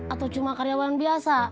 atau cuma karyawan biasa